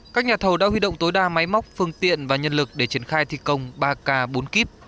các nhà thầu đã huy động tối đa máy móc phương tiện và nhân lực để triển khai thi công ba k bốn k